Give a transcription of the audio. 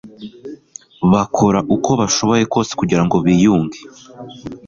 bakora uko bashoboye kose kugira ngo biyunge